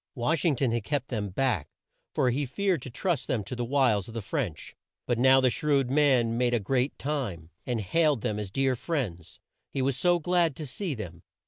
Wash ing ton had kept them back, for he feared to trust them to the wiles of the French. But now the shrewd man made a great time, and hailed them as dear friends. He was so glad to see them!